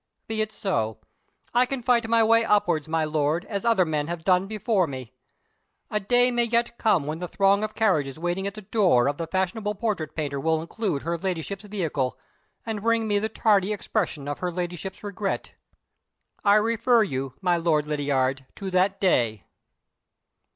Be it so. I can fight my way upwards, my Lord, as other men have done before me. A day may yet come when the throng of carriages waiting at the door of the fashionable portrait painter will include her Ladyship's vehicle, and bring me the tardy expression of her Ladyship's regret. I refer you, my Lord Lydiard, to that day!"